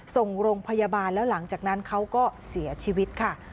ส่งโรงพยาบาลแล้วหลังจากนั้นเขาก็เสียชีวิตค่ะ